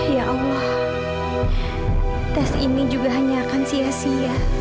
ya allah tes ini juga hanya akan sia sia